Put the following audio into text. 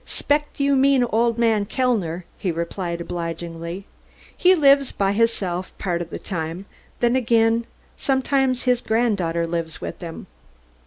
"'Spect you mean old man Kellner," he replied obligingly. "He lives by hisself part of the time; then again sometimes his grand darter lives with him."